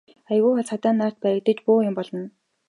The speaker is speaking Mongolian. Аягүй бол цагдаа нарт баригдаж бөөн юм болно.